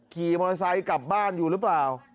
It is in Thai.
ขี่มอเตอร์ไซค์กลับบ้านอยู่หรือเปล่า